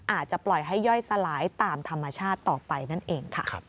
อาจจะปล่อยให้ย่อยสลายตามธรรมชาติต่อไปนั่นเองค่ะ